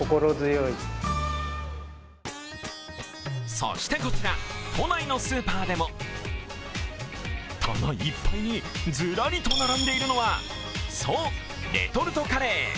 そしてこちら、都内のスーパーでも棚いっぱいに、ずらりと並んでいるのはそう、レトルトカレー。